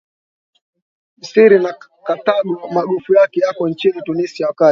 Misri na Karthago magofu yake yako nchini Tunisia wakati